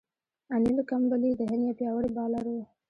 انیل کمبلې د هند یو پياوړی بالر وو.